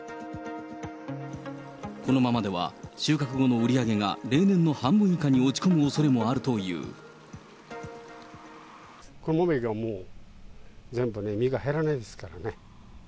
このままでは収穫後の売り上げが例年の半分以下に落ち込むおそれこのままいけばもう全部、実が入らないですからね。